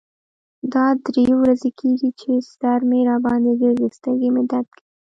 دا درې ورځې کیږی چې سر مې را باندې ګرځی. سترګې مې درد کوی.